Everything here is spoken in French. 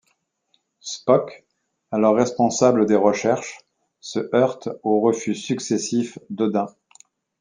Spock, alors responsable des recherches, se heurte aux refus successifs d'Hodin.